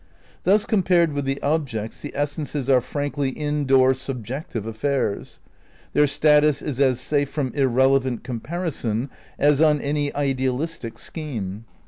Thus compared with the objects the essences are frankly in door, subjective affairs. Their status is as safe from irrelevant comparison as on any idealistic scheme.